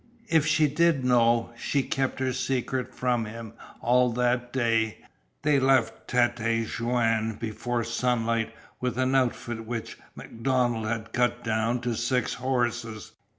If she did know, she kept her secret from him all that day. They left Tête Jaune before sunrise with an outfit which MacDonald had cut down to six horses.